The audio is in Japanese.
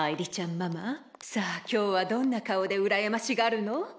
ママさあ今日はどんな顔でうらやましがるの？